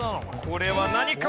これは何か？